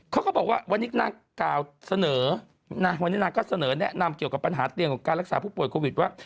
เขาก็บอกว่าวันนี้นางกล่าวเสนอวันนี้นางก็เสนอแนะนำเกี่ยวกับปัญหาเตียงของการรักษาผู้ป่วยโควิดว่า